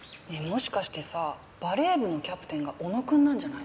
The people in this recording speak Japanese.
もしかしてさバレー部のキャプテンが小野くんなんじゃない？